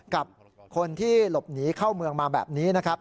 กับคนที่หลบหนีเข้าเมืองมาแบบนี้นะครับ